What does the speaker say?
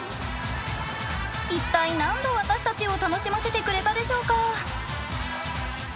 一体何度私たちを楽しませてくれたでしょうか。